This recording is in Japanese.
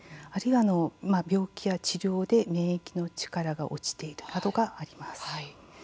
あるいは病気や治療で免疫の力が落ちているなどがあります。